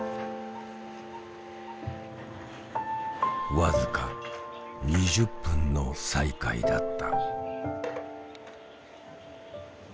僅か２０分の再会だった。